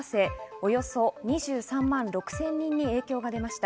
およそ２３万６０００人に影響が出ました。